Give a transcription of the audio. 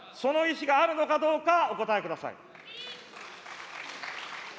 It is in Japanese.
その意思があるのかどうか、お答えください。